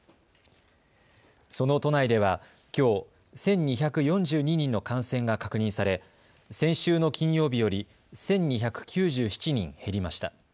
その都内では、きょう１２４２人の感染が確認され先週の金曜日より１２９７人減りました。